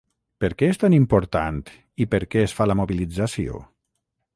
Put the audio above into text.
Per què és tan important i per què es fa la mobilització?